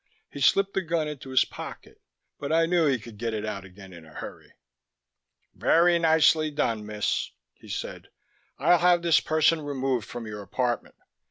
He slipped the gun into his pocket, but I knew he could get it out again in a hurry. "Very nicely done, Miss," he said. "I'll have this person removed from your apartment. Mr.